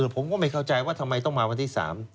ผมก็ไม่เข้าใจว่าทำไมต้องมาวันที่๓